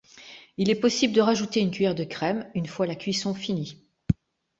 Il est possible de rajouter une cuillère de crème, une fois la cuisson finie.